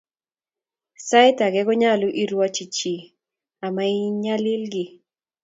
Sait ake konyolu irwoch chi amaiyil kiy